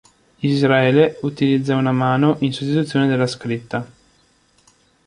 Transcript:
Israele utilizza una mano in sostituzione della scritta.